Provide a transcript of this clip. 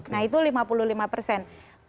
nah itu lima puluh lima persen